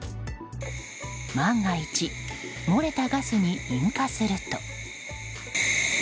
万が一、漏れたガスに引火すると。